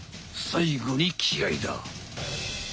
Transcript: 最後に気合いだ！